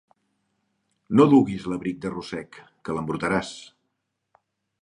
No duguis l'abric de rossec, que l'embrutaràs.